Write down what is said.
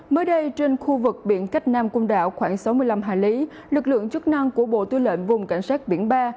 mới đây trên khu vực biển cách nam côn đảo khoảng sáu mươi năm hải lý lực lượng chức năng của bộ tư lệnh vùng cảnh sát biển ba